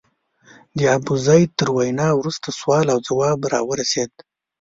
د ابوزید تر وینا وروسته سوال او ځواب راورسېد.